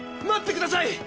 待ってください！